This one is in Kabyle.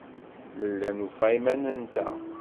Nella nufa iman-nteɣ.